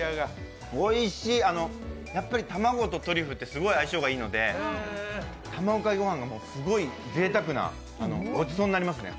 おいしい、卵とトリュフってすごい相性がいいので卵かけ御飯がすごいぜいたくなごちそうになりますね。